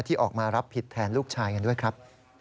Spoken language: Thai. ที่ออกมารับผิดแทนลูกชายกันด้วยครับ